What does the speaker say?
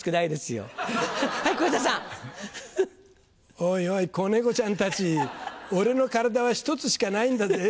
おいおい小猫ちゃんたち俺の体は１つしかないんだぜ。